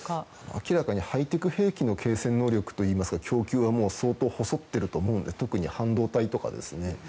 明らかにハイテク兵器の継戦能力というか供給は相当細ってると思うので特に半導体とかですね。